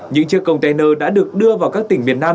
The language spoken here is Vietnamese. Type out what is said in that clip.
những chiếc container đã được đưa vào các tỉnh miền nam